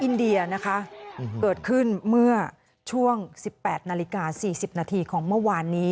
อินเดียนะคะเกิดขึ้นเมื่อช่วง๑๘นาฬิกา๔๐นาทีของเมื่อวานนี้